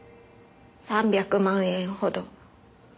３００万円ほど。